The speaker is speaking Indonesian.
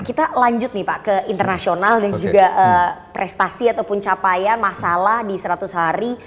kita lanjut nih pak ke internasional dan juga prestasi ataupun capaian masalah di seratus hari